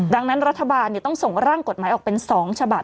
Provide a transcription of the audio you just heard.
ดังนั้นรัฐบาลต้องส่งร่างกฎหมายออกเป็น๒ฉบับ